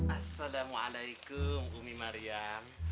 assalamualaikum umi marian